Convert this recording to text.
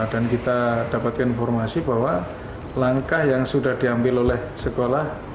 dan kita dapatkan informasi bahwa langkah yang sudah diambil oleh sekolah